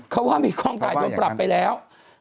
เขาว่ามีกล้องถ่ายโดนปรับไปแล้ว